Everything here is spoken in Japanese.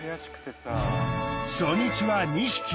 初日は２匹。